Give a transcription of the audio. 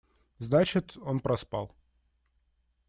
Значит, он проспал.